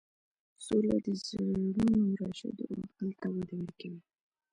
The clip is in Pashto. سوله د زړونو راشدو او عقل ته وده ورکوي.